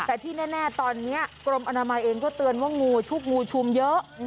แต่ที่แน่ตอนนี้กรมอนามัยเองก็เตือนว่างูชุกงูชุมเยอะ